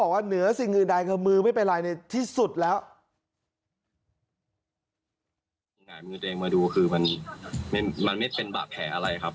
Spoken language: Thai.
มันไม่เป็นบัดแผลอะไรครับ